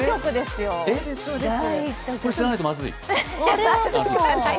これ、知らないとまずい？